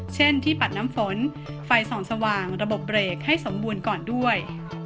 เช่นที่ปัดน้ำฝนไฟส่องสว่างระบบเบรกให้สมบูรณ์ก่อนด้วย